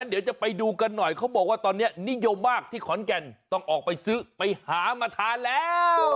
เดี๋ยวจะไปดูกันหน่อยเขาบอกว่าตอนนี้นิยมมากที่ขอนแก่นต้องออกไปซื้อไปหามาทานแล้ว